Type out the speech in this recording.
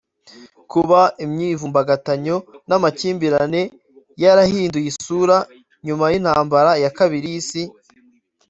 Kuba imyivumbagatanyo n’amakimbirane yarahinduye isura nyuma y’intambara ya kabiri y’isi